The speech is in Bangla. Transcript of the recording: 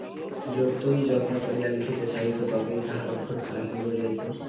যতই যত্ন করিয়া লিখিতে চাহিত, ততই তাহার অক্ষর খারাপ হইয়া যাইত।